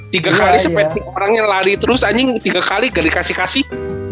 tiga kali sepetik orangnya lari terus anjing tiga kali gak dikasih kasih